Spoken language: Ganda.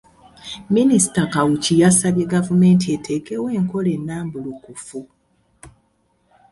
Minisita Kawuki yasabye gavumenti eteekewo enkola ennambulukufu